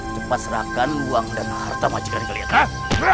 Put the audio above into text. cepat serahkan uang dan harta majikan kalian